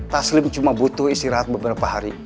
taslim cuma butuh istirahat beberapa hari